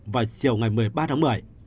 vào chiều ngày một mươi ba tháng một mươi